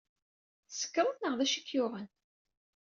Tsekṛed neɣ d acu ay k-yuɣen?